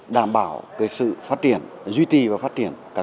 đảm bảo cái sự phát triển duy nhất